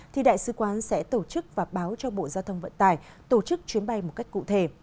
thì đại sứ quán sẽ tổ chức và báo cho bộ giao thông vận tải tổ chức chuyến bay một cách cụ thể